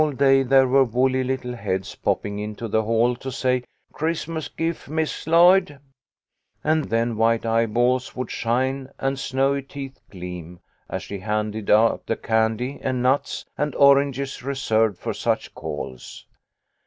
All day there were woolly little heads popping into the hall to say " Chris'mus gif, Miss Lloyd." And then white eye balls would shine and snowy teeth gleam as she handed out the candy and nuts and oranges reserved for such calls.